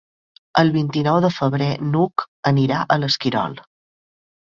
El vint-i-nou de febrer n'Hug anirà a l'Esquirol.